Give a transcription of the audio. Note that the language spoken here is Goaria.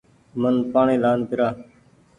من پآڻيٚ لآن پيرآن